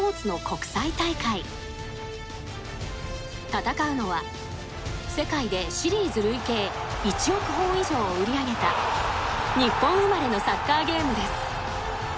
戦うのは世界でシリーズ累計１億本以上を売り上げた日本生まれのサッカーゲームです。